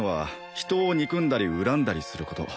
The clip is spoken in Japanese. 人を憎んだり恨んだりすること